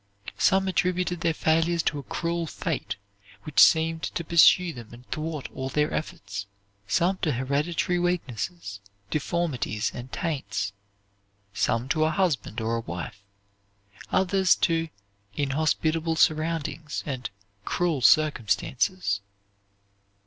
Some attributed their failures to a cruel fate which seemed to pursue them and thwart all their efforts, some to hereditary weaknesses, deformities, and taints, some to a husband or a wife, others to "inhospitable surroundings," and "cruel circumstances."